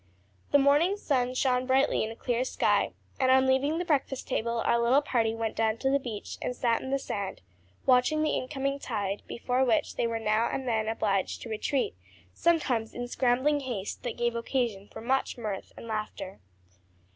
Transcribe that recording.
The morning's sun shone brightly in a clear sky, and on leaving the breakfast table our little party went down to the beach and sat in the sand, watching the incoming tide, before which they were now and then obliged to retreat, sometimes in scrambling haste that gave occasion for much mirth and laughter.